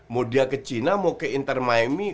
mau dia ke china mau ke inter miami